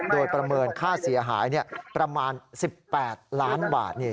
โดยประเมินค่าเสียหายประมาณ๑๘ล้านบาท